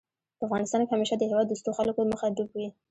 په افغانستان کې همېشه د هېواد دوستو خلکو مخه ډب وي